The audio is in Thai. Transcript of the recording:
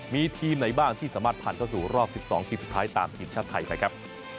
มีทีมไหนบ้างที่สามารถผ่านเข้าสู่รอบ๑๒ทีมสุดท้ายตามทีมชาติไทยไปครับ